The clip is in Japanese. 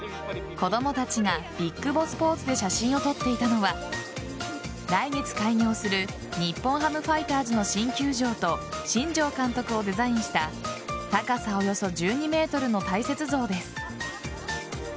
子供たちがＢＩＧＢＯＳＳポーズで写真を撮っていたのは来月開業する日本ハムファイターズの新球場と新庄監督をデザインした高さおよそ１２ｍの大雪像です。